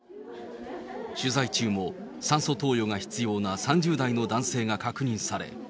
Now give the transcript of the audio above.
取材中も、酸素投与が必要な３０代の男性が確認され。